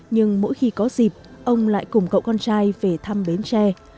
nhưng mỗi khi có dịp ông lại cùng cậu con trai về thăm bến tre